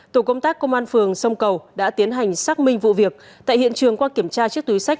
tổ công tác công an phường sông cầu đã tiến hành xác minh vụ việc tại hiện trường qua kiểm tra chiếc túi sách